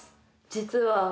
実は。